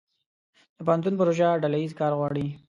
د پوهنتون پروژه ډله ییز کار غواړي.